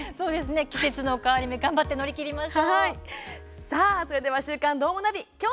季節の変わり目頑張って乗り越えましょう。